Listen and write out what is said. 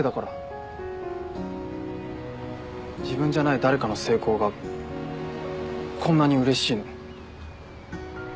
自分じゃない誰かの成功がこんなにうれしいの。